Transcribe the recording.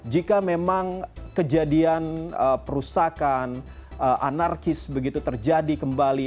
jika memang kejadian perusakan anarkis begitu terjadi kembali